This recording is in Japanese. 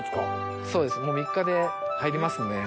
そうですもう３日で入りますね。